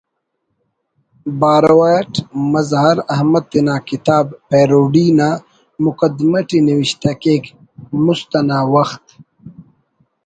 بارو اٹ مظہر احمد تینا کتاب ''پیروڈی'' نا مقدمہ ٹی نوشہ کیک: ''مُست انا وخت